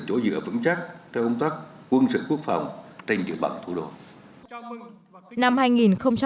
các đồng chí là chỗ vững chắc theo công tác quân sự quốc phòng thành tựu bằng thủ đô